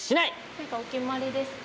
何かお決まりですか？